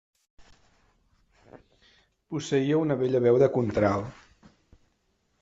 Posseïa una bella veu de Contralt.